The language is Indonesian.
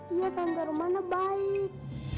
iya tante rumana baik